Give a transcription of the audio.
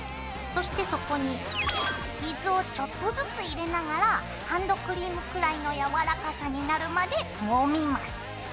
そしてそこに水をちょっとずつ入れながらハンドクリームくらいの柔らかさになるまでもみます。